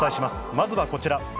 まずはこちら。